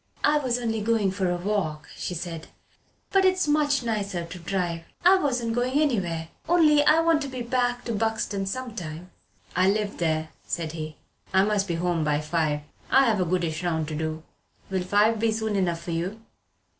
"I was only going for a walk," she said, "but it's much nicer to drive. I wasn't going anywhere. Only I want to get back to Buxton some time." "I live there," said he. "I must be home by five. I've a goodish round to do. Will five be soon enough for you?"